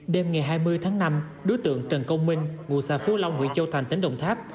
đêm ngày hai mươi tháng năm đối tượng trần công minh ngụ xã phú long huyện châu thành tỉnh đồng tháp